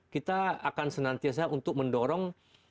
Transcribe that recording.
kita akan senantiasa untuk mendorong